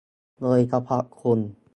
โดยเฉพาะคุณ